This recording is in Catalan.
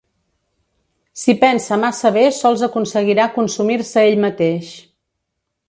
Si pensa massa bé sols aconseguirà consumir-se ell mateix.